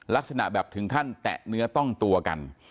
ลักษณะแบบถึงขั้นแตะเนื้อต้องตัวกัน